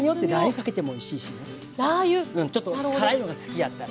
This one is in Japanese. ちょっと辛いのが好きやったら。